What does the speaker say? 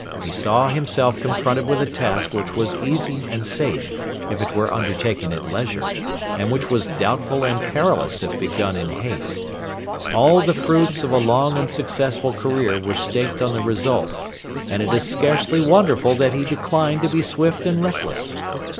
He saw himself confronted with a task which was easy and safe if it were undertaken at leisure, and which was doubtful and perilous if begun in haste. All the fruits of a long and successful career were staked on the result, and it is scarcely wonderful that he declined to be swift and reckless.